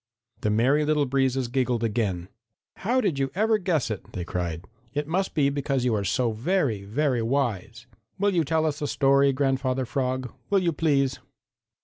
The Merry Little Breezes giggled again. "How did you ever guess it?" they cried. "It must be because you are so very, very wise. Will you tell us a story, Grandfather Frog? Will you please?"